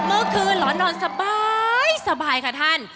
เมื่อคืนหลอนนอนสบายค่ะท่าน